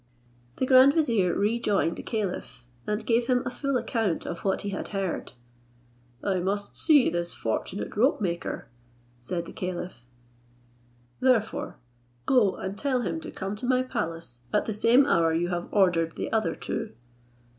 The grand vizier rejoined the caliph, and gave him a full account of what he had heard. "I must see this fortunate rope maker," said the caliph, "therefore go and tell him to come to my palace at the same hour you have ordered the other two."